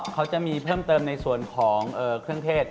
เขาจะมีเพิ่มเติมในส่วนของเครื่องเทศ